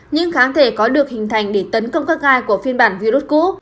những kháng thể có được hình thành để tấn công các gai của phiên bản virus cũ